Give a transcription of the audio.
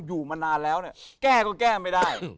อยู่มานานแล้วเนี่ยแก้ก็แก้ไม่ได้